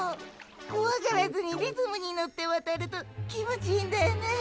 こわがらずにリズムに乗ってわたると気持ちいいんだよね。